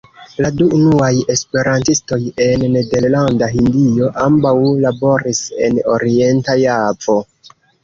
La du unuaj esperantistoj en Nederlanda Hindio ambaŭ laboris en Orienta Javo.